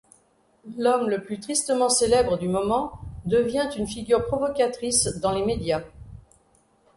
L'homme le plus tristement célèbre du moment devient une figure provocatrice dans les médias.